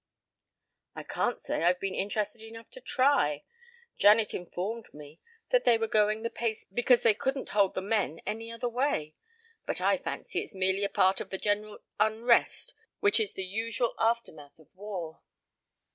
"I can't say I've been interested enough to try. Janet informed me that they were going the pace because they couldn't hold the men any other way. But I fancy it's merely a part of the general unrest which is the usual aftermath of war.